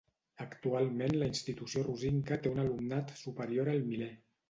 Actualment la institució rosinca té un alumnat superior al miler.